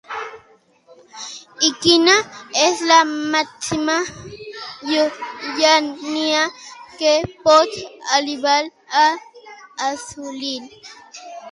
I quina és la màxima llunyania que pot arribar a assolir?